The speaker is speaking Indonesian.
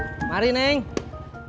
nyok numero dua baru tuhbreak saya